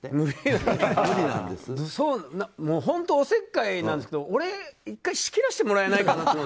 本当、おせっかいなんですけど俺、１回仕切らせてもらえないかなって。